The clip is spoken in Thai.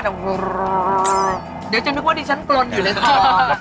เดี๋ยวจะนึกว่าดิฉันปลนอยู่เลยค่ะ